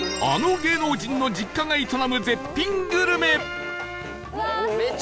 あの芸能人の実家が営む絶品グルメ